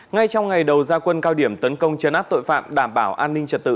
ngay trong ngày đầu gia quân cao điểm tấn công chấn áp tội phạm đảm bảo an ninh trật tự